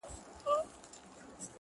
له نيکه را پاته سوی په ميراث دی،